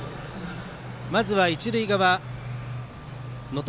まずは一塁側能登